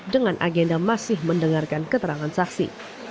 dengan agenda masih mendengarkan keterangan saksi